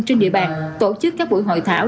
trên địa bàn tổ chức các buổi hội thảo